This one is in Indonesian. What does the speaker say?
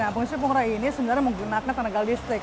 pembangunan pengerjaan ini menggunakan tenaga listrik